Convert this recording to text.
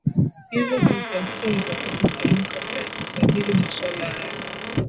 hivyo kuhitajika mikakati maalum kabla ya kujadili masuala hayo